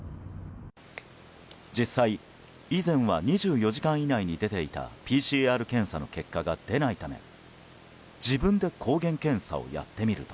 実際、以前は２４時間以内に出ていたＰＣＲ検査の結果が出ないため自分で抗原検査をやってみると。